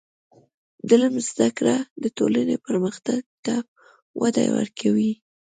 د علم زده کړه د ټولنې پرمختګ ته وده ورکوي.